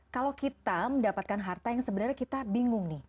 kalau kita mendapatkan harta yang sebenarnya kita bingung nih